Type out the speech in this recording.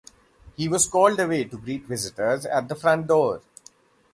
He was called away to greet visitors at the front door.